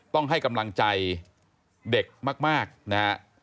ต้องให้กำลังใจเด็กมากนะฮะ